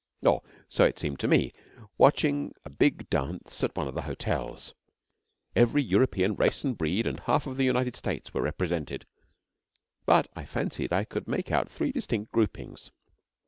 Or, so it seemed to me, watching a big dance at one of the hotels. Every European race and breed, and half of the United States were represented, but I fancied I could make out three distinct groupings.